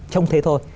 trông thế thôi